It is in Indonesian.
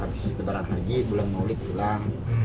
abis lebaran haji bulan maulid pulang